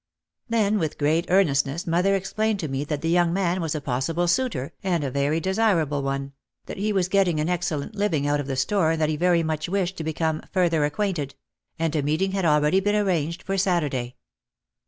Then with great earnestness mother explained to me that the young man was a possible suitor and a very desirable one, that he was getting an excellent living out of the store and that he very much wished to become "further acquainted," and, a meeting had already been arranged for Saturday.